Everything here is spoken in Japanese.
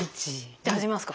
じゃあ始めますか。